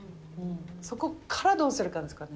そこからどうするかですからね。